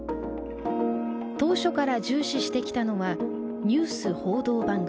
当初から重視してきたのはニュース報道番組。